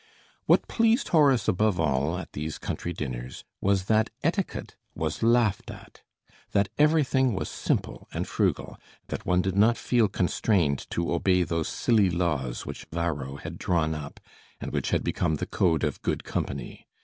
What pleased Horace above all at these country dinners was that etiquette was laughed at, that everything was simple and frugal, that one did not feel constrained to obey those silly laws which Varro had drawn up, and which had become the code of good company.